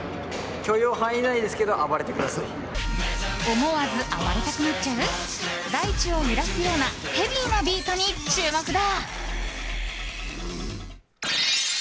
思わず暴れたくなっちゃう大地を揺らすようなヘビーなビートに注目だ。